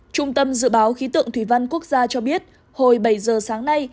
trung tâm dự báo khí tượng thủy văn quốc gia cho biết hồi bảy giờ sáng nay